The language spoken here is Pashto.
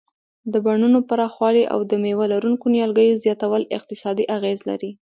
د بڼونو پراخوالی او د مېوه لرونکو نیالګیو زیاتول اقتصادي اغیز لري.